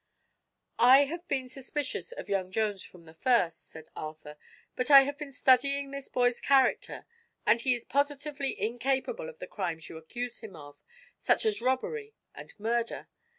"I have been suspicious of young Jones from the first," said Arthur; "but I have been studying this boy's character, and he is positively incapable of the crimes you accuse him of, such as robbery and murder.